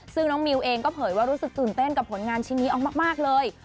ซึ่งน้องมิวเองก็เผยว่ารู้สึกตื่นเต้นกับผลงานชิ้นนี้เอามากเลย